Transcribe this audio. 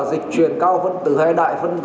dịch truyền cao phân tử hay đại phân tử